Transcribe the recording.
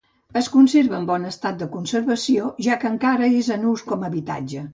Es conserva en bon estat de conservació, ja que encara és en ús com habitatge.